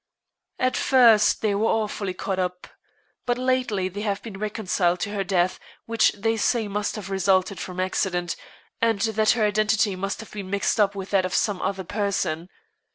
"At first they were awfully cut up. But lately they have been reconciled to her death, which they say must have resulted from accident, and that her identity must have been mixed up with that of some other person.